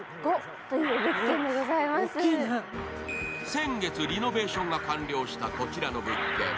先月リノベーションが完了したこちらの物件。